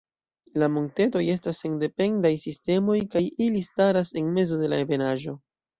La montetoj estas sendependaj sistemoj kaj ili staras en mezo de la ebenaĵo.